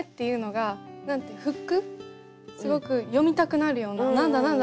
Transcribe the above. すごく読みたくなるような「何だ何だ？」